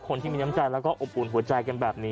คนที่มีน้ำใจแล้วก็อบอุ่นหัวใจกันแบบนี้